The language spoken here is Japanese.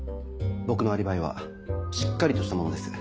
僕のアリバイはしっかりとしたものです。